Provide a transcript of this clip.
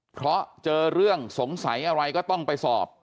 เพราะเจอเรื่องสงสัยอะไรก็ต้องไปสอบ